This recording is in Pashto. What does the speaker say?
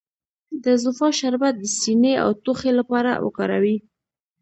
د زوفا شربت د سینې او ټوخي لپاره وکاروئ